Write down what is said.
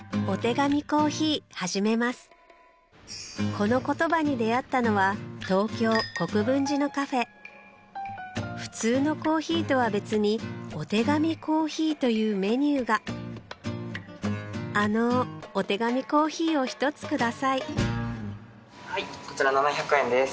このコトバに出合ったのは東京・国分寺のカフェ普通のコーヒーとは別に「お手紙コーヒー」というメニューがあのお手紙コーヒーを１つ下さいはいこちら。